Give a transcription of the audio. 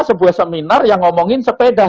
sebuah seminar yang ngomongin sepeda